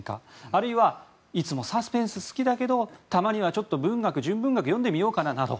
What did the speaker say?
あるいは、いつもはサスペンスが好きだけどたまには文学、純文学読んでみようかななど。